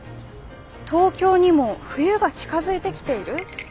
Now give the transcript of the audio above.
東京にも冬が近づいてきている？